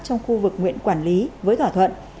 trong khu vực nguyện quản lý với thỏa thuận